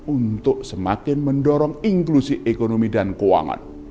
untuk semakin mendorong inklusi ekonomi dan keuangan